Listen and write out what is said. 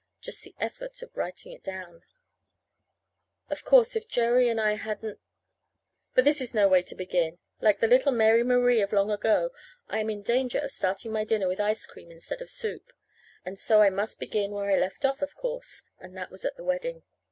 Just the effort of writing it down Of course, if Jerry and I hadn't But this is no way to begin. Like the little Mary Marie of long ago I am in danger of starting my dinner with ice cream instead of soup! And so I must begin where I left off, of course. And that was at the wedding.